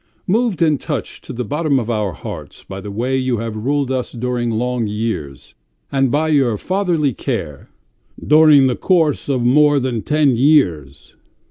Moved and touched to the bottom of our hearts by the way you have ruled us during long years, and by your fatherly care. ..." "During the course of more than ten years.